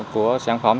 của sản phẩm